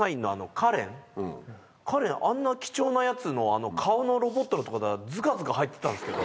カレンあんな貴重なやつの顔のロボットのとことかズカズカ入ってたんですけど。